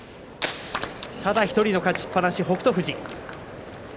ただ１人の勝ちっぱなし北勝富士。